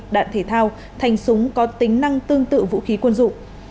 đạn thể thao thành súng có tính năng tương tự vũ khí quân dụng